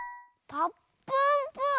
「ぱっぷんぷぅ」？